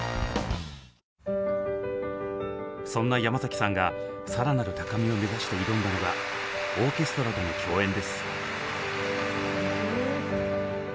そんな山崎さんが更なる高みを目指して挑んだのがオーケストラとの共演です。